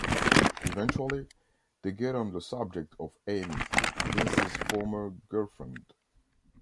Eventually, they get on the subject of Amy, Vince's former girlfriend.